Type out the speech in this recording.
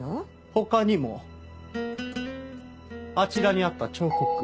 他にもあちらにあった彫刻。